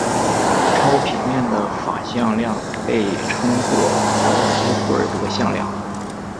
超平面的法向量被称作豪斯霍尔德向量。